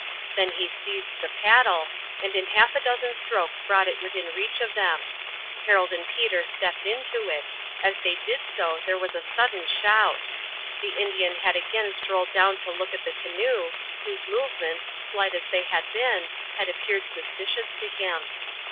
Then he seized the paddle, and in half a dozen strokes brought it within reach of them. Harold and Peter stepped into it; as they did so there was a sudden shout. The Indian had again strolled down to look at the canoe, whose movements, slight as they had been, had appeared suspicious to him.